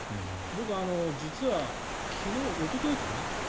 僕、実は、おとといかな？